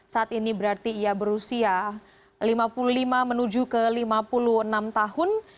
seribu sembilan ratus enam puluh dua saat ini berarti ia berusia lima puluh lima menuju ke lima puluh enam tahun